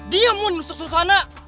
diam bu nusuk susah anak